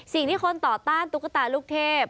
สิ่งที่คนต่อต้านตุ๊กตาลูกเทพ